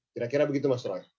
kira kira begitu mas roy